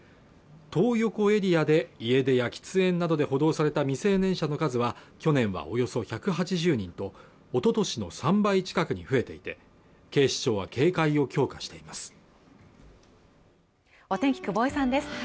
トー横エリアで家出や喫煙などで補導された未成年者の数は去年はおよそ１８０人とおととしの３倍近くに増えていて警視庁は警戒を強化しています